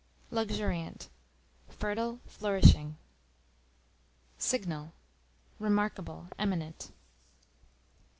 Luxuriant, fertile, flourishing. Signal, remarkable, eminent.